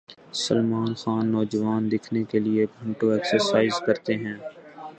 سلمان خان نوجوان دکھنے کیلئے گھنٹوں ایکسرسائز کرتے ہیں